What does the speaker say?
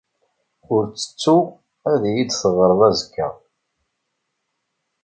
Ur ttettu ad iyi-d-teɣreḍ azekka.